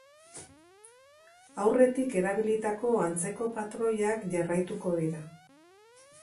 Aurretik erabilitako antzeko patroiak jarraituko dira.